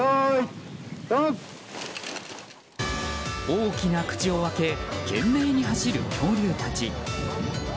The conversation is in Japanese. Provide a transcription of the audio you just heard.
大きな口を開け懸命に走る恐竜たち。